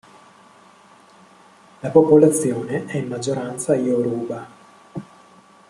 La popolazione è in maggioranza Yoruba